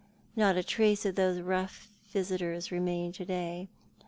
Not a trace of 'those rough visitors remained to day.